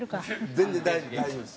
全然大丈夫大丈夫です。